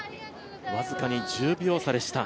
僅かに１０秒差でした。